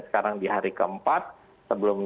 sekarang di hari ke empat sebelum